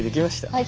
はい。